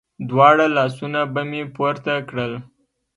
دواړه لاسونه به مې پورته کړل.